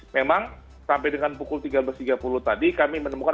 memang sampai dengan pukul tiga belas tiga puluh tadi kami menemukan